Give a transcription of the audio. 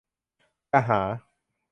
จะหา